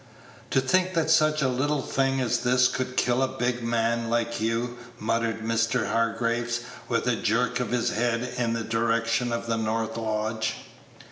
"To think that such a little thing as this could kill a big man like you," muttered Mr. Hargraves, with a jerk of his head in the direction of the north lodge.